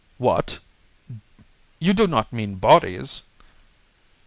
"What! You do not mean bodies?"